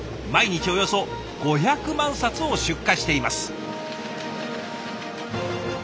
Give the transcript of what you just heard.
毎日およそ５００万冊を出荷しています。